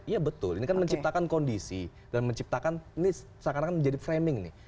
iya betul ini kan menciptakan kondisi dan menciptakan ini seakan akan menjadi framing nih